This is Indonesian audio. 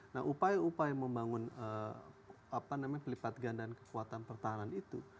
nah upaya upaya membangun pelipat gandaan kekuatan pertahanan itu